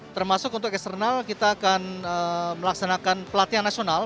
termasuk untuk eksternal kita akan melaksanakan pelatihan nasional